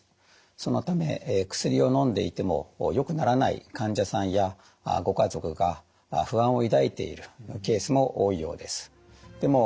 そのため薬をのんでいてもよくならない患者さんやご家族が不安を抱いているケースも多いようです。